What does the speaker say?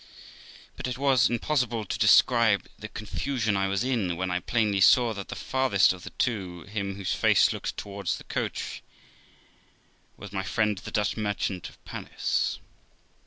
But it is impossible to describe the confusion I was in, when I plainly saw that the farthest of the two, him whose face looked towards the coach, was my friend the Dutch merchant of Paris.